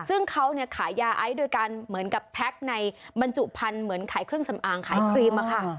ซึ่งเขาขายยาไอซ์โดยการเหมือนกับแพ็คในบรรจุพันธุ์เหมือนขายเครื่องสำอางขายครีมอะค่ะ